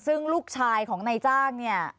ซึ่งลูกชายของนายจ้างเนี่ย